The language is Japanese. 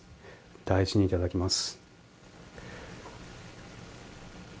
大事にいただきます。